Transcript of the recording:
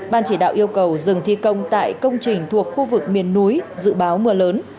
ban chỉ đạo yêu cầu dừng thi công tại công trình thuộc khu vực miền núi dự báo mưa lớn